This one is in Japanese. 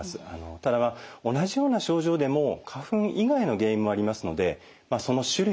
ただまあ同じような症状でも花粉以外の原因もありますのでその種類やですね